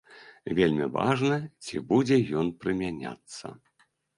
Вельмі важна, ці будзе ён прымяняцца.